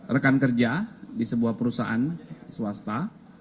rekan kerja di sebuah perusahaan swasta